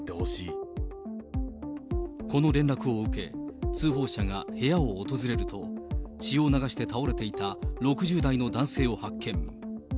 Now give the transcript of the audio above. この連絡を受け、通報者が部屋を訪れると、血を流して倒れていた６０代の男性を発見。